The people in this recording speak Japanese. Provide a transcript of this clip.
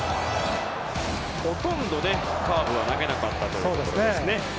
ほとんどカーブは投げなかったということでした。